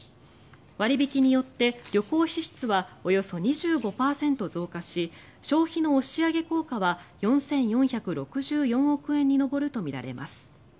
割引によって、旅行支出はおよそ２５％増加し消費の押し上げ効果は４４６４億円に上るとみられます。